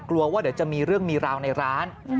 กลัวว่าเดี๋ยวจะมีเรื่องมีราวในร้าน